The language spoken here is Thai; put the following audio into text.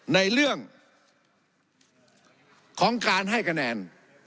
ในเรื่องของการให้คะแนน